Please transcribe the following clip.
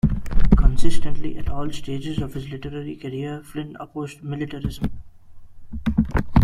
Consistently at all stages of his literary career, Flynn opposed militarism.